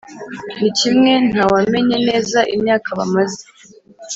ni kimwe ntawamenya neza imyaka bamaze